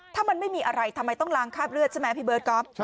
ถ้ามันไม่มีอะไรทำไมต้องล้างคราบเลือดใช่ไหมพี่เบิร์ตก๊อฟ